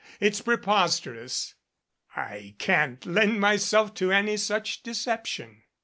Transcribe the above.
It's preposterous. I can't lend myself to any such deception.